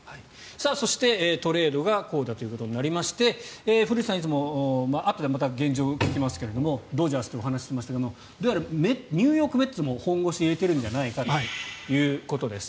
そして、トレードがこうだということになりまして古内さんはいつもまたあとで現状を聞きますがドジャースというお話をしていましたがニューヨーク・メッツも本腰を入れてるんじゃないかということです。